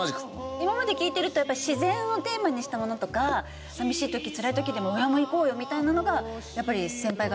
今まで聞いてると自然をテーマにしたものとか寂しい時つらい時でも上を向こうよみたいなのがやっぱり先輩方